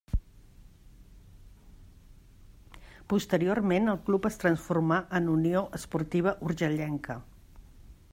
Posteriorment el club es transformà en Unió Esportiva Urgellenca.